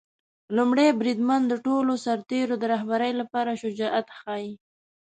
لومړی بریدمن د ټولو سرتیرو د رهبری لپاره شجاعت ښيي.